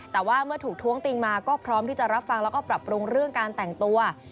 แต่ว่าเมื่อถูกท้วงติงมาก็พร้อมที่จะรับฟังแล้วก็ปรับปรุงเรื่องการแต่งตัว